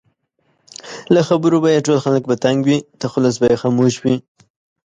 له خبرو به یې ټول خلک په تنګ وي؛ تخلص به یې خاموش وي